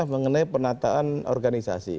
mengenai penataan organisasi